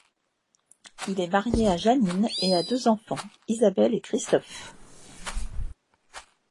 Il est marié à Jeannine et a deux enfants, Isabelle et Christophe.